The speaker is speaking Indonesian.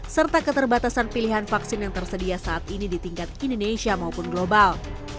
serta keterbatasan pilihan vaksin yang tersedia saat ini di tingkat indonesia maupun global